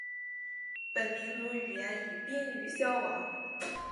本民族语言已濒于消亡。